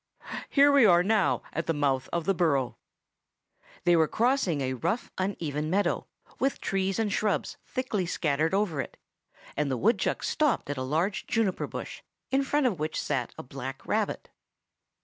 Here we are now at the mouth of the burrow." They were crossing a rough, uneven meadow, with trees and shrubs thickly scattered over it; and the woodchuck stopped at a large juniper bush, in front of which sat a black rabbit.